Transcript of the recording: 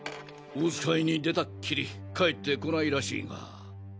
おつかいに出たっきり帰って来ないらしいが。